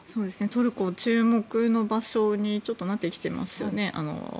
トルコは注目の場所にちょっとなってきていますよね。